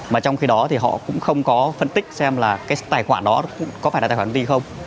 mà trong khi đó thì họ cũng không có phân tích xem là cái tài khoản đó có phải là tài khoản gì không